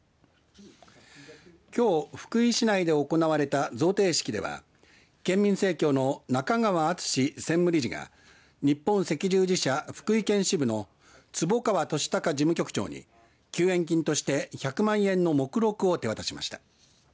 きょう福井市内で行われた贈呈式では県民生協の中川敦士専務理事が日本赤十字社福井県支部の坪川利隆事務局長に休園金として１００万円の目録を手渡しました。